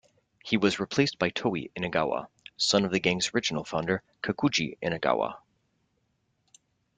He was replaced by Toi Inagawa, son of the gang's original founder Kakuji Inagawa.